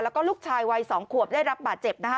แล้วก็ลูกชายวัย๒ขวบได้รับบาดเจ็บนะคะ